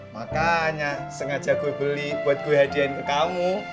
makanya sengaja gue beli buat gue hadiahin ke kamu